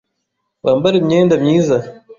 Wambare imyenda myiza.